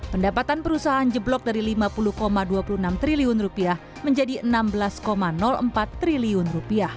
pendapatan perusahaan jeblok dari rp lima puluh dua puluh enam triliun menjadi rp enam belas empat triliun